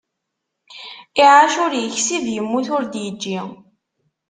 Iɛac ur yeksib, yemmut ur d-yeǧǧa.